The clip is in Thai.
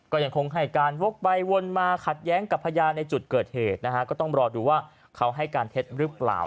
ก็ยังคงให้การวกไปวนมาขัดแย้งกับพยานในจุดเกิดเหตุนะฮะก็ต้องรอดูว่าเขาให้การเท็จหรือเปล่า